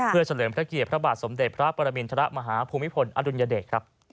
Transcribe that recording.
เพื่อเฉลิมพระเกียรติพระบาทสมเด็จพระปรมินทรมาฮภูมิพลอดุลยเดช